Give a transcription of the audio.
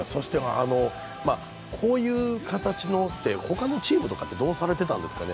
こういう形のって、他のチームとかってどうされてたんですかね。